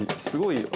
すごい。